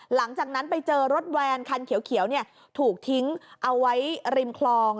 หลังจากนั้นไปเจอรถแวนคันเขียวถูกทิ้งเอาไว้ริมคลอง